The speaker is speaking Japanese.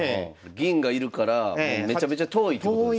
銀がいるからめちゃめちゃ遠いってことですね。